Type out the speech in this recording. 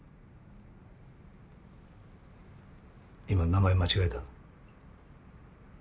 今名前間違えた？